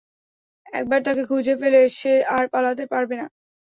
একবার তাকে খুঁজে পেলে, সে আর পালাতে পারবে না।